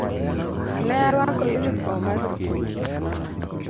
Ne arwako yunifom mar skul.